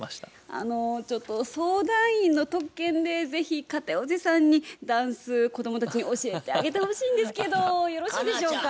あのちょっと相談員の特権で是非片寄さんにダンス子供たちに教えてあげてほしいんですけどよろしいでしょうか？